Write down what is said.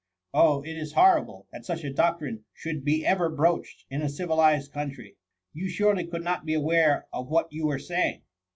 Oh ! it is horrible, that such a doc THE MUHMY« 117 trine should be ever broached in a civilized country. You surely could not be aware of what you were saying